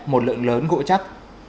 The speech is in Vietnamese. một lượng lớn gỗ chắc